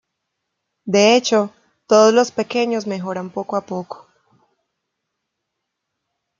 De hecho, todos los pequeños mejoran poco a poco.